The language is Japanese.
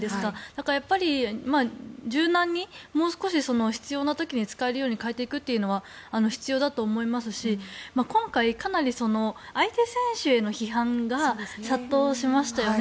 だから、柔軟に、もう少し必要な時に使えるように変えていくというのは必要だと思いますし今回、かなり相手選手への批判が殺到しましたよね。